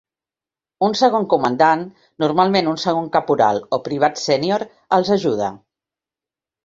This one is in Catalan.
Un segon comandant, normalment un segon caporal o privat sènior, els ajuda.